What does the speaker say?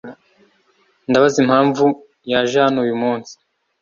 Ndabaza impamvu yaje hano uyumunsi?